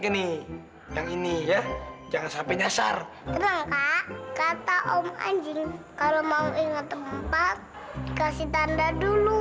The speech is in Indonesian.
gini yang ini ya jangan sampai nyasar tenang kak kata om anjing kalau mau ingat tempat kasih tanda dulu